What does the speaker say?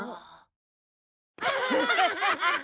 アハハハハ！